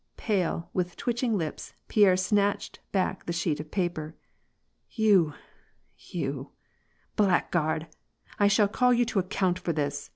Pale, with twitching lips, Pierre snatched back the sheet of paper. " You — you — blackguard !— I shall call you to ac count for this